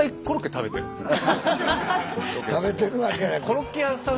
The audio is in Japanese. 食べてるわけない。